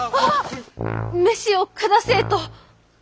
飯を下せえと！